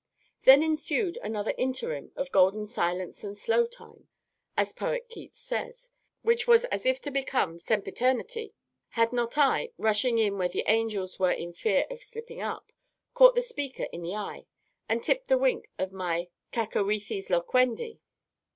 Then ensued another interim of golden "Silence and slow Time," as Poet KEATS says, which was as if to become Sempiternity, had not I, rushing in where the angels were in fear of slipping up, caught the Speaker in the eye, and tipped the wink of my cacoëthes loquendi.